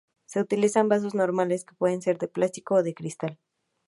Se utilizan vasos normales, que pueden ser de plástico o de cristal.